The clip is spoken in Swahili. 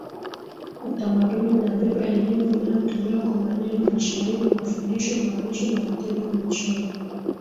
Utamaduni unabeba elimu inayotolewa kwa maneno mashairi mafundisho maonesho na vitendo michoro